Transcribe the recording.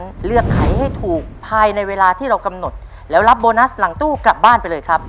เลือกขายให้ถูกภายในเวลาที่เรากำหนดแล้วรับโบนัสหลังตู้กลับบ้านไปเลยครับ